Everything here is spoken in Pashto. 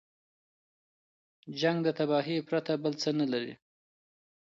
جنګ د تباهۍ پرته بل څه نه لري.